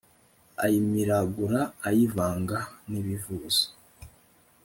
ayimiragura ayivanga n' ibivuzo